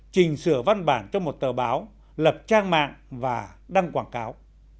chỉnh sửa văn bản cho một tờ báo lập trang mạng và đăng quảng cáo